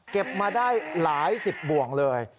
มาได้หลายสิบบ่วงเลย